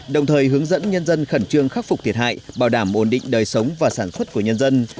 đồng thời hướng dẫn nhân dân khẩn trương khắc phục thiệt hại bảo đảm ổn định đời sống và sản xuất của nhân dân